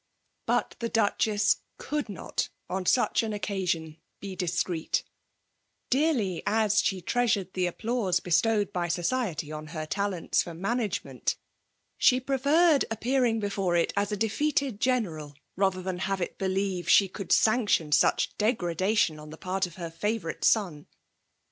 But the Duchess could not, on such an occa sion, be discreet Dearly as she treasured the applause bestowed by society on her talents for management, she preferred appearing be fore it as a defeated general, rather than have it believed she could sanction such degradation on the part of her favourite son.